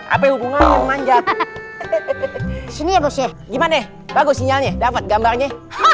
apa hubungannya manjat sini ya bos ya gimana bagus sinyalnya dapat gambarnya